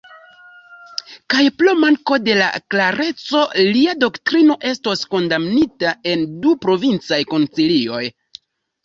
Kaj pro manko de klareco lia doktrino estos kondamnita en du provincaj koncilioj.